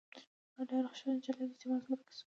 هغه ډېره ښه نجلۍ او د اعتماد وړ کس وه.